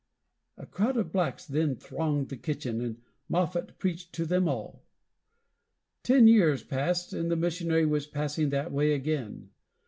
A crowd of blacks then thronged the kitchen, and Moffat preached to them all. Ten years passed, and the missionary was passing that way again.